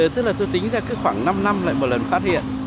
tức là tôi tính ra khoảng năm năm lại một lần phát hiện